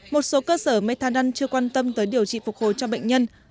một số cơ sở methadon chưa quan tâm tới điều trị phục hồi cho bệnh nhân